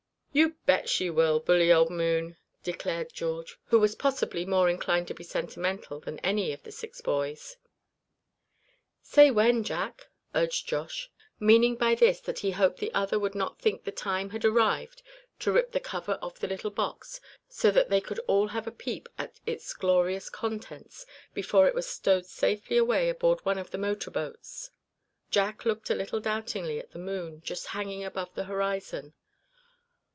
"You just bet she will, bully old moon!" declared George, who was possibly more inclined to be sentimental than any of the six boys. "Say when, Jack," urged Josh; meaning by this that he hoped the other would not think the time had arrived to rip the cover off the little box, so that they could all have a peep at its glorious contents, before it was stowed safely away aboard one of the motor boats. Jack looked a little doubtingly at the moon, just hanging above the horizon.